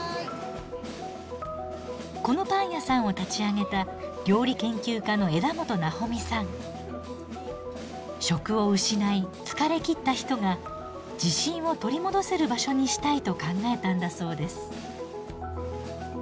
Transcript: このパン屋さんを立ち上げた職を失い疲れきった人が自信を取り戻せる場所にしたいと考えたんだそうです。